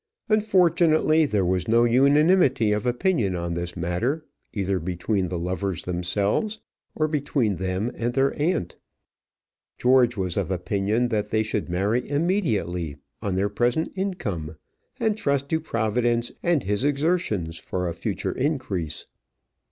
Unfortunately there was no unanimity of opinion on this matter, either between the lovers themselves or between them and their aunt. George was of opinion that they should marry immediately on their present income, and trust to Providence and his exertions for a future increase.